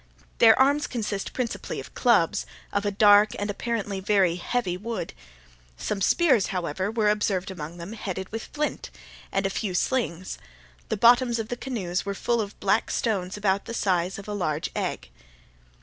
Their arms consisted principally of clubs, of a dark, and apparently very heavy wood. Some spears, however, were observed among them, headed with flint, and a few slings. The bottoms of the canoes were full of black stones about the size of a large egg.